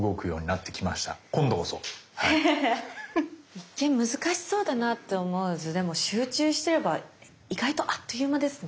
一見難しそうだなって思う図でも集中してれば意外とあっという間ですね。ね。